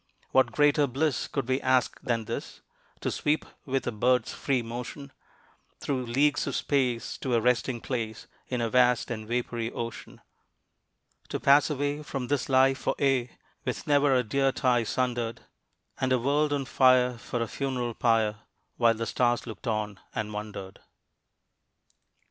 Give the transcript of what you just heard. What greater bliss could we ask than this, To sweep with a bird's free motion Through leagues of space to a resting place, In a vast and vapory ocean To pass away from this life for aye With never a dear tie sundered, And a world on fire for a funeral pyre, While the stars looked on and wondered?